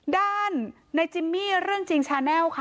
ด้านในจิมมี่เรื่องจริงชาแนลค่ะ